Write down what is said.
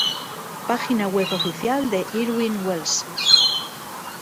Página web oficial de Irvine Welsh